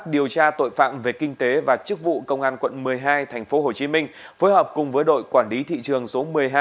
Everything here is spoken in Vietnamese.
điều tra tội phạm về kinh tế và chức vụ công an quận một mươi hai tp hcm phối hợp cùng với đội quản lý thị trường số một mươi hai